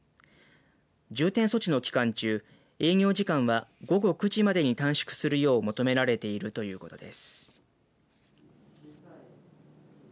重点措置の期間中営業時間は午後９時までに短縮するよう求められているということです。